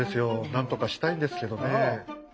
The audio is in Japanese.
なんとかしたいんですけどねえ。